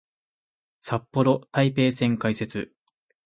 札幌・台北線開設